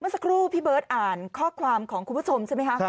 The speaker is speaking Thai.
เมื่อสักครู่พี่เบิร์ทอ่านข้อความของคุณผู้ชมใช่มั้ยฮะ